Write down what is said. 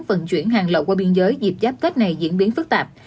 vận chuyển hàng lậu qua biên giới dịp giáp tết này diễn biến phức tạp